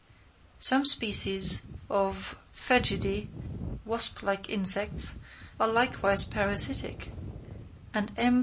Some species of Sphegidæ (wasp like insects) are likewise parasitic; and M.